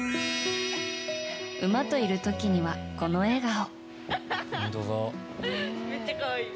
馬といる時には、この笑顔。